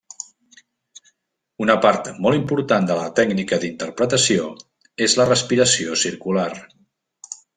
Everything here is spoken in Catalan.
Una part molt important de la tècnica d'interpretació és la respiració circular.